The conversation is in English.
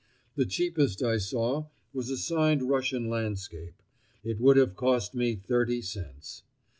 The cheapest I saw was a signed Russian landscape; it would have cost me thirty cents.